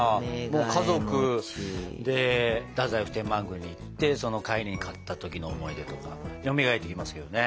家族で太宰府天満宮に行ってその帰りに買った時の思い出とかよみがえってきますけどね。